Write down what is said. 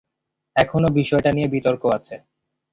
এখনও বিষয়টা নিয়ে বিতর্ক আছে।